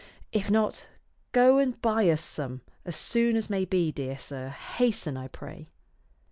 " If not, go and buy us some as soon as may be, dear sir ; hasten, I pray."